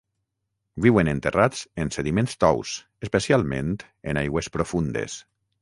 Viuen enterrats en sediments tous, especialment en aigües profundes.